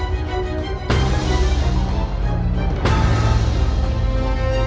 บ๊ายบาย